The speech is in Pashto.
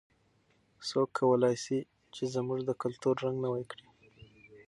څوک کولای سي چې زموږ د کلتور رنګ نوی کړي؟